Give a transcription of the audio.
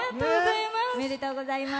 おめでとうございます。